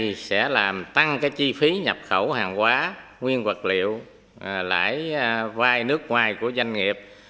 thì sẽ làm tăng cái chi phí nhập khẩu hàng hóa nguyên vật liệu lãi vai nước ngoài của doanh nghiệp